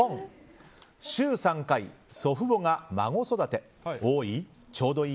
週３回、祖父母が孫育て多い？